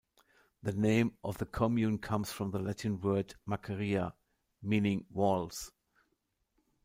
The name of the commune comes from the Latin word: "maceria", meaning walls.